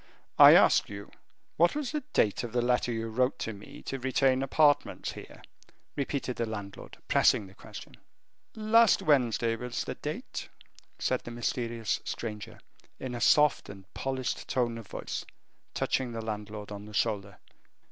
"I ask you what was the date of the letter you wrote to me to retain apartments here?" repeated the landlord, pressing the question. "Last Wednesday was the date," said the mysterious stranger, in a soft and polished tone of voice, touching the landlord on the shoulder.